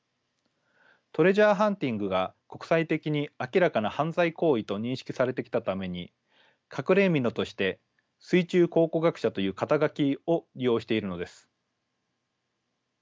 トレジャーハンティングが国際的に明らかな犯罪行為と認識されてきたために隠れ蓑として水中考古学者という肩書を利用しているのです。